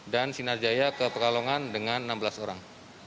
dan sinarjaya ke pekalongan dengan enam belas orang